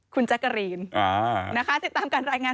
คุณแจ๊กกะรีน